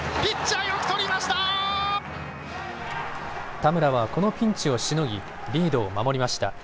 田村はこのピンチをしのぎ、リードを守りました。